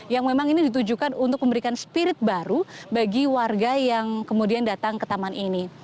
yang memang ini ditujukan untuk memberikan spirit baru bagi warga yang kemudian datang ke taman ini